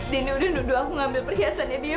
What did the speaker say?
dini udah nuduh aku ngambil perhiasannya dia